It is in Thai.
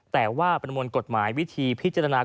แต่ว่าประมวลกฎหมายวิธีพิจารณา